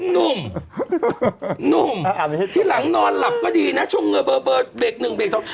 หนุ่มหนุ่มที่หลังนอนหลับก็ดีนะชงเงอเบอร์เบรกหนึ่งเบรกสอง